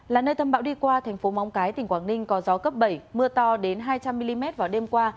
là nơi tâm bão đi qua thành phố móng cái tỉnh quảng ninh có gió cấp bảy mưa to đến hai trăm linh mm vào đêm qua